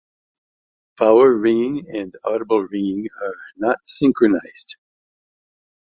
Power ringing and audible ringing are not synchronized.